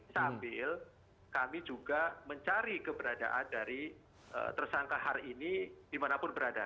sambil kami juga mencari keberadaan dari tersangka hari ini dimanapun berada